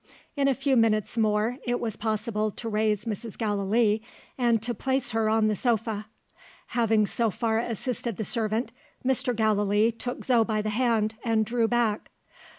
In a few minutes more, it was possible to raise Mrs. Gallilee and to place her on the sofa. Having so far assisted the servant, Mr. Gallilee took Zo by the hand, and drew back.